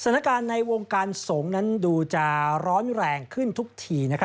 สถานการณ์ในวงการสงฆ์นั้นดูจะร้อนแรงขึ้นทุกที